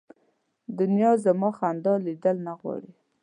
دنیا زما خندا لیدل نه غواړي